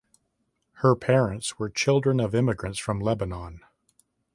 Her parents were children of immigrants from Lebanon.